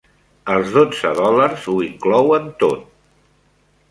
Els dotze dòlars ho inclouen tot.